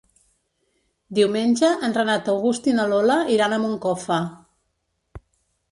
Diumenge en Renat August i na Lola iran a Moncofa.